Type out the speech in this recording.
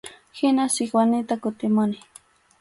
Hina Sikwanita kutimuni.